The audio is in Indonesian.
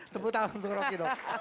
tepuk tangan untuk rocky dong